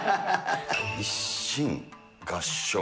一心合掌。